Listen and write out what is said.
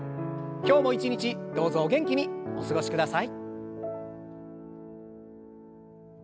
今日も一日どうぞお元気にお過ごしください。